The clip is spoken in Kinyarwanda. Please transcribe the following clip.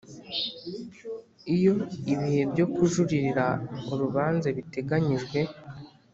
Iyo ibihe byo kujuririra urubanza biteganyijwe